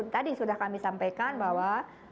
tadi sudah kami sampaikan bahwa